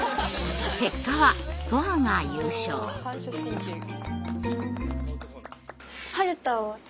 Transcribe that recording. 結果は反射神経が。